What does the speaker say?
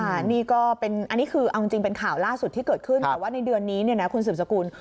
อันนี้คือข่าวล่าสุดที่เกิดขึ้นแต่ว่าในเดือนนี้คุณสุบสกุล